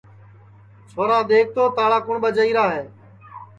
چھورا دَیکھ تو تاݪا کُوٹؔ ٻجائیرا ہے